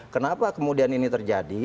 kenapa kemudian ini terjadi